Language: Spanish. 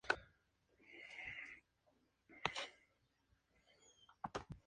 Son normalmente implementados en lenguajes de programación imperativos.